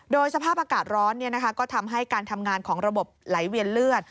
โดยสภาพอากาศร้อนก็ทำให้การทำงานของระบบไหลเวียนเลือด